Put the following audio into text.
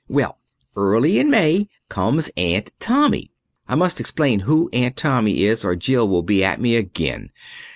Well, early in May comes Aunt Tommy. I must explain who Aunt Tommy is or Jill will be at me again.